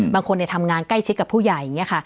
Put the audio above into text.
บางคนทำงานใกล้ชิดกับผู้ใหญ่อย่างนี้ค่ะ